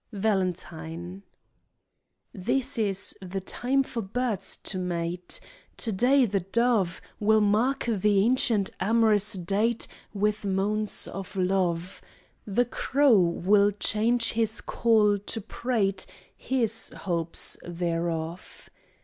Valentine This is the time for birds to mate; To day the dove Will mark the ancient amorous date With moans of love; The crow will change his call to prate His hopes thereof.